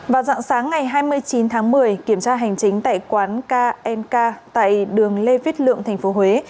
vào dạng sáng ngày hai mươi chín tháng một mươi kiểm tra hành chính tại quán knk tại đường lê viết lượng tp huế